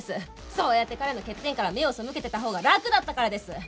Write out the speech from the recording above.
そうやって彼の欠点から目を背けてたほうが楽だったからです。